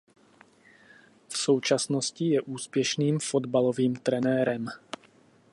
V současnosti je úspěšným fotbalovým trenérem.